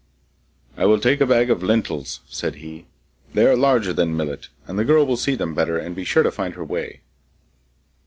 'I will take a bag of lentils,' said he; 'they are larger than millet, and the girl will see them better and be sure to find her way.